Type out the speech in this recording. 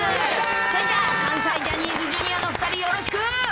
それじゃあ、関西ジャニーズＪｒ．の２人、よろしく。